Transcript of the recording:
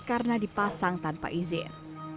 karena dipasang tanpa izin